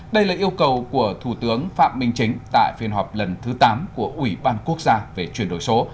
đây là yêu cầu của thủ tướng phạm minh chính tại phiên họp lần thứ tám của ủy ban quốc gia về chuyển đổi số